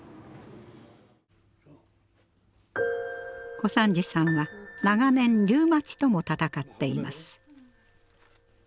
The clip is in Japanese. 小三治さんは長年リウマチとも闘っています。